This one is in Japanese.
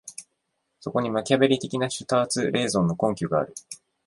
そこにマキァヴェリ的なシュターツ・レーゾンの根拠がある。